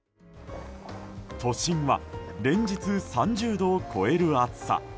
都心は連日３０度を超える暑さ。